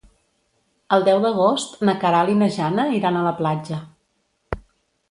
El deu d'agost na Queralt i na Jana iran a la platja.